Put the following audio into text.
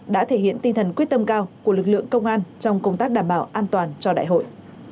đã thể hiện tinh thần quyết tâm cao của lực lượng công an trong công tác đảm bảo an toàn cho đại hội